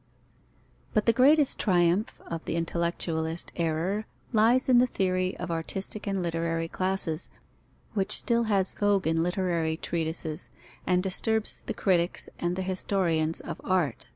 _ But the greatest triumph of the intellectualist error lies in the theory of artistic and literary classes, which still has vogue in literary treatises, and disturbs the critics and the historians of art.